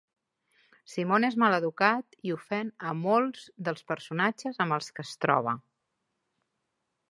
Simon és maleducat i ofèn a molts dels personatges amb els que es troba.